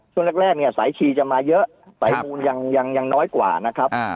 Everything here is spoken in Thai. ช่วงแรกแรกเนี่ยสายชีจะมาเยอะครับแต่มูนยังยังยังน้อยกว่านะครับอ่า